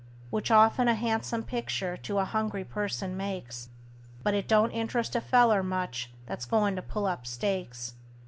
Which often a han'some pictur' to a hungry person makes, But it don't interest a feller much that's goin' to pull up stakes.